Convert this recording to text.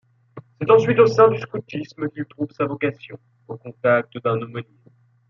C’est ensuite au sein du scoutisme qu'il trouve sa vocation, au contact d’un aumônier.